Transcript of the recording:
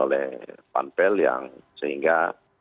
yang sehingga kita tahu bahwa ini adalah hal yang terjadi di malang